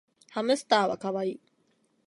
ハムスターはかわいい